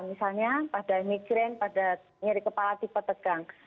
misalnya pada migrain pada nyeri kepala tipe tegang